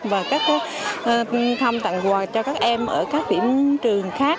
và các thăm tặng quà cho các em ở các điểm trường khác